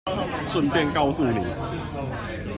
順便告訴你